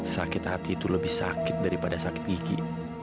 sakit hati itu lebih sakit daripada sakit gigi